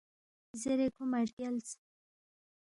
زیرے کھو مہ رگیالس